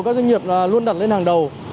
các doanh nghiệp luôn đặt lên hàng đầu